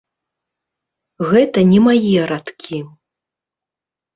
Гэта не мае радкі.